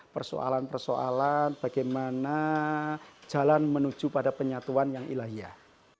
persoalan persoalan bagaimana jalan menuju pada penyatuan yang ilahiyah